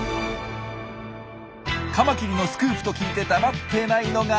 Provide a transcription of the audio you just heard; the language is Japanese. カマキリのスクープと聞いて黙ってないのが。